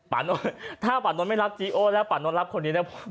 นนท์ถ้าป่านนท์ไม่รับจีโอแล้วป่านนท์รับคนนี้แล้ว